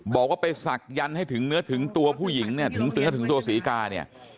บอกว่าไปศักดันให้ถึงเนื้อถึงตัวผู้หญิงเนี่ยถึงเนื้อถึงตัวศรีกาเนี่ย